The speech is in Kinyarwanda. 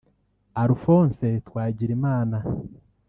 Alphonse Twagirimana